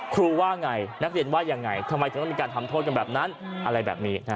ว่าไงนักเรียนว่ายังไงทำไมจะต้องมีการทำโทษกันแบบนั้นอะไรแบบนี้